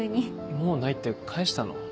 もうないって返したの？